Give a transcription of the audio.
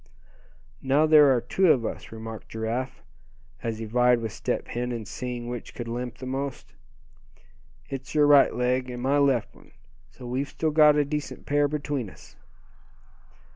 "Now there are two of us," remarked Giraffe, as he vied with Step Hen in seeing which could limp the most. "It's your right leg, and my left one; so we've still got a decent pair between us."